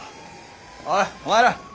おいお前ら。